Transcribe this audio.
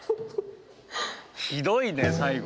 ひどいね最後。